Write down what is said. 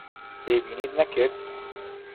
تێبینیت نەکرد؟